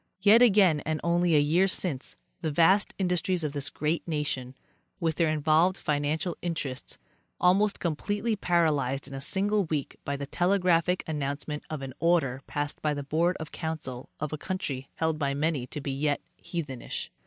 Yet again, and only a year since, the vast industries of this great nation, with their involved financial interests, almost completely paralyzed in a single week by the telegraphic announcement of an order passed by the board of council of a country held by many to be yet heathenish.